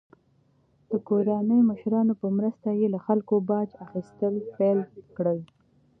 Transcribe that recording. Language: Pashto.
د ګوراني مشرانو په مرسته یې له خلکو باج اخیستل پیل کړل.